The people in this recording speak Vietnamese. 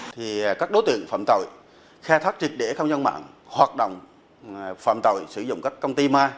thì các đối tượng phạm tội khai thác triệt để không gian mạng hoạt động phạm tội sử dụng các công ty ma